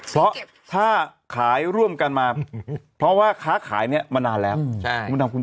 เพราะถ้าขายร่วมกันมาเพราะว่าค้าขายเนี่ยมานานแล้ว